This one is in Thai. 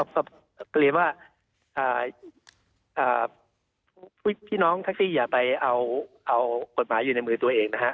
ก็เรียนว่าพี่น้องแท็กซี่อย่าไปเอากฎหมายอยู่ในมือตัวเองนะฮะ